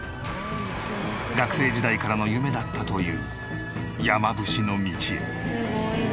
学生時代からの夢だったというすごいな。